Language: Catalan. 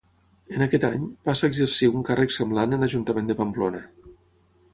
En aquest any, passa a exercir un càrrec semblant en l'Ajuntament de Pamplona.